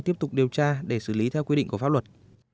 tiếp tục điều tra để xử lý theo quy định của pháp luật